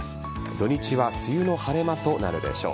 土日は梅雨の晴れ間となるでしょう。